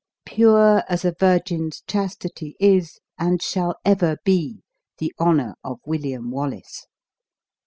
Pure as a virgin's chastity is, and shall ever be, the honor of William Wallace."